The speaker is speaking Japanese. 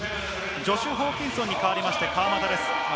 ジョシュ・ホーキンソンに代わりまして川真田です。